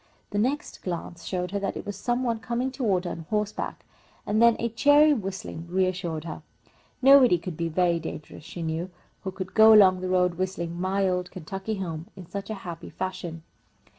The next glance showed her that it was some one coming toward her on horseback, and then a cheery whistling reassured her. Nobody could be very dangerous, she knew, who could go along the road whistling "My Old Kentucky Home" in such a happy fashion.